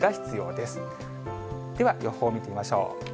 では、予報を見てみましょう。